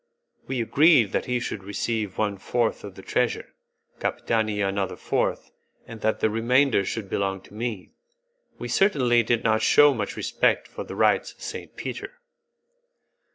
We agreed that he should receive one fourth of the treasure, Capitani another fourth, and that the remainder should belong to me. We certainly did not shew much respect for the rights of Saint Peter.